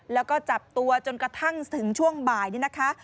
แล้วก็จับตัวจนกระทั่งถึงช่วงบ่ายนี่นะคะ